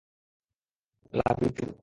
Love you two.